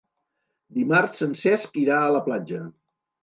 Dimarts en Cesc irà a la platja.